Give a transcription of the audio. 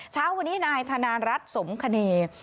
เช้าวันนี้นายธนารัฐสมคเนย์